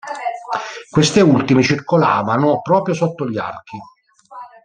Queste ultime circolavano proprio sotto gli archi.